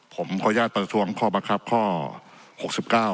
ผมคลยากประทุกของพอประครับข้อหกสิบเก้า